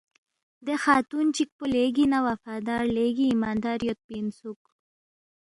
دے خاتون چِک پو لیگی نہ وفادار، لیگی ایماندار یودپی اِنسُوک